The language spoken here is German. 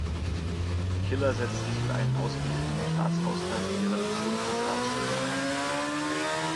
Killer setzt sich für einen ausgeglichenen Staatshaushalt und die Reduktion von Staatsschulden ein.